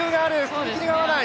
踏切が合わない。